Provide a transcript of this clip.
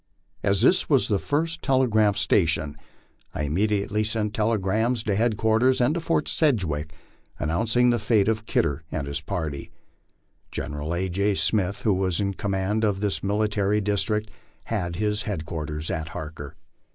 As this was the first tele graph station, I immediately sent telegrams to headquarters and to Fort Sedg wick, announcing the fate of Kidder and his party. General A. J. Smith, who was in command of this military district, had his headquarters at Harker.